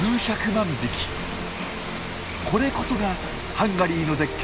これこそがハンガリーの絶景